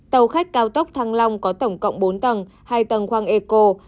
tàu khách cao tốc thăng long có tổng cộng bốn tầng hai tầng khoang eco